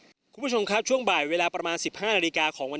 พวกผู้ชมช่วงบ่ายเวลาประมาณ๑๕นาฬิกา